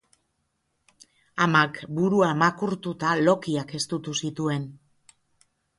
Amak, burua makurtuta, lokiak estutu zituen.